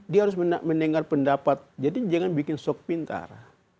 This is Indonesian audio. dia harus mendengar pendapat jadi jangan bikin sok pintar